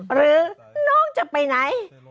หรือน้องจะไปไหน